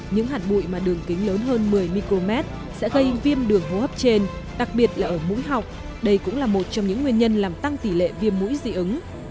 những hạt bụi mà đường kính lớn hơn một mươi micromet sẽ gây viêm đường hô hấp trên đặc biệt là ở mũi họng đây cũng là một trong những nguyên nhân làm tăng tỷ lệ viêm mũi dị ứng